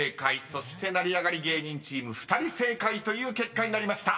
そして成り上がり芸人チーム２人正解という結果になりました］